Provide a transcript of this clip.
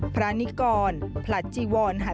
พระนิกรพระจีวรหันมนุงขาวห่มขาว